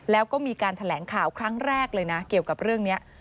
แล้วก็มีการแถลงข่าวครั้งแรกเลยนะเกี่ยวกับเรื่องนี้